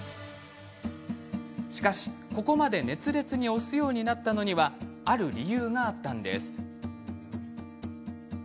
しかし、ここまで熱烈に推すようになったのにはある理由があったんです。